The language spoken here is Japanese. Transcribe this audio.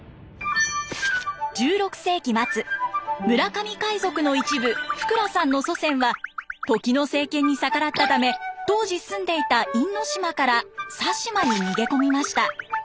１６世紀末村上海賊の一部福羅さんの祖先は時の政権に逆らったため当時住んでいた因島から佐島に逃げ込みました。